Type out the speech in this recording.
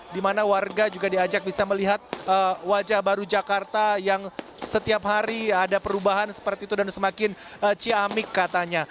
di mana warga juga diajak bisa melihat wajah baru jakarta yang setiap hari ada perubahan seperti itu dan semakin ciamik katanya